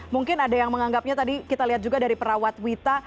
mungkin ada yang menganggapnya tadi kita lihat juga dari perawat wita